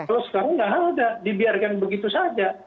kalau sekarang nggak ada dibiarkan begitu saja